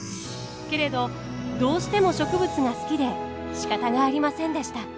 けれどどうしても植物が好きでしかたがありませんでした。